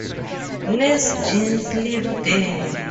Lezgins live there.